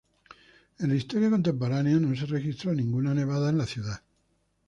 En la historia contemporánea no se registró ninguna nevada en la ciudad.